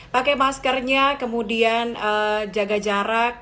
pakai maskernya kemudian jaga jarak